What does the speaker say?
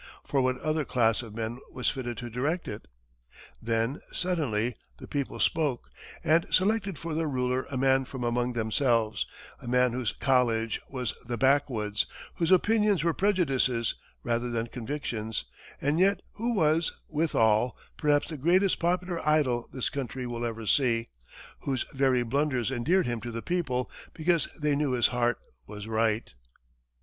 For what other class of men was fitted to direct it? Then, suddenly, the people spoke, and selected for their ruler a man from among themselves, a man whose college was the backwoods, whose opinions were prejudices rather than convictions, and yet who was, withal, perhaps the greatest popular idol this country will ever see; whose very blunders endeared him to the people, because they knew his heart was right.